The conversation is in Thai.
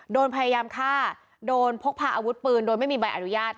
โดนพยายามฆ่าโดนพกพาอาวุธปืนโดยไม่มีใบอนุญาต